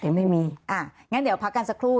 อย่างนั้นเดี๋ยวพักกันสักครู่